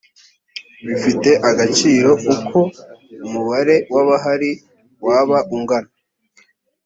bifite agaciro uko umubare w abahari waba ungana